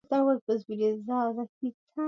Lakini mwaka elfu mbili na kumi na tatu